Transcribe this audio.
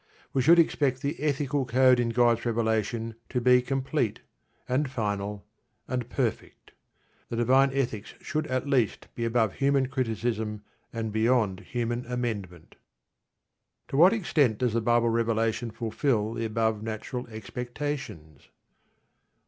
We should expect the ethical code in God's revelation to be complete, and final, and perfect. The divine ethics should at least be above human criticism and beyond human amendment. To what extent does the Bible revelation fulfil the above natural expectations?